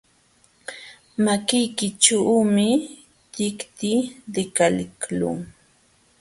Makiykićhuumi tikti likaliqlun.